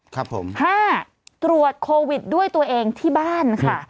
ครับผมห้าตรวจโควิดด้วยตัวเองที่บ้านค่ะ